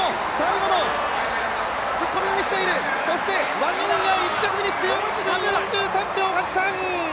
ワニョンイが１着フィニッシュ、１分４３秒８３。